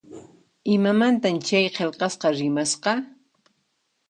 Imamantan chay qillqasqa rimasqa?